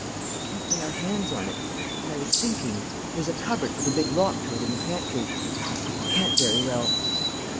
"We can't lay our hands on it. And I was thinking.... There's a cupboard with a big lock to it in the pantry.... You see, we can't very well...."